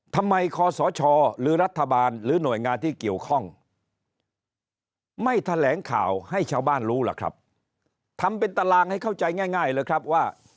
คอสชหรือรัฐบาลหรือหน่วยงานที่เกี่ยวข้องไม่แถลงข่าวให้ชาวบ้านรู้ล่ะครับทำเป็นตารางให้เข้าใจง่ายเลยครับว่า